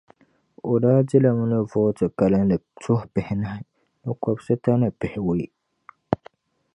O daa di li mi ni vooti kalinli tuhi pihinahi ni kɔbisita ni pihiwɔi.